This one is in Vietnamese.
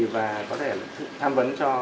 và có thể tham vấn cho